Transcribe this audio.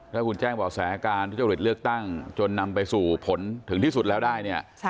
ถ้าคุณแจ้งเบาะแสการผู้เจ้าผลิตเลือกตั้งจนนำไปสู่ผลถึงที่สุดแล้วได้